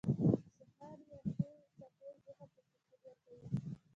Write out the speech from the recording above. • د سهار یخې څپې ذهن ته سکون ورکوي.